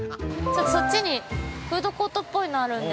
そっちにフードコートっぽいものがあるので。